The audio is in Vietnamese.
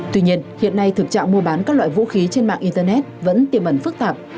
tuy nhiên hiện nay thực trạng mua bán các loại vũ khí trên mạng internet vẫn tiềm ẩn phức tạp